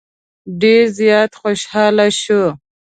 ډېر زیات خوشاله شو.